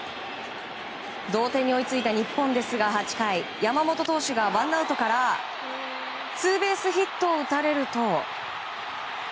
同点に追いついた日本ですが８回、山本投手がワンアウトからツーベースヒットを打たれると。